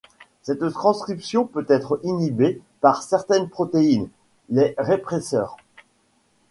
Cette transcription peut être inhibée par certaines protéines, les répresseurs.